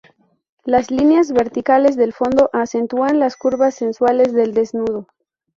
Las líneas verticales del fondo acentúan las curvas sensuales del desnudo.